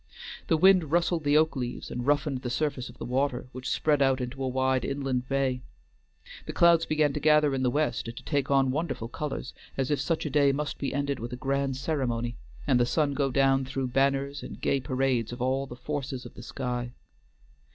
The wind rustled the oak leaves and roughened the surface of the water, which spread out into a wide inland bay. The clouds began to gather in the west and to take on wonderful colors, as if such a day must be ended with a grand ceremony, and the sun go down through banners and gay parades of all the forces of the sky.